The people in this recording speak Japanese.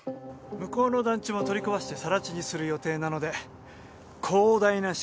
向こうの団地も取り壊して更地にする予定なので広大な敷地を確保できますよ